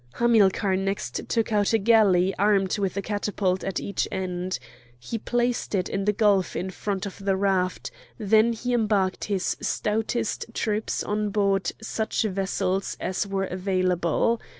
Hamilcar next took out a galley armed with a catapult at each end. He placed it in the gulf in front of the raft; then he embarked his stoutest troops on board such vessels as were available.